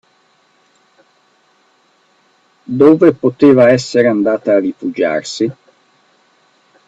Dove poteva essere andata a rifugiarsi?